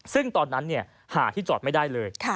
ซึ่งตอนนั้นหาที่จอดไม่ได้เลย